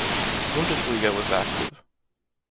Bundesliga was active.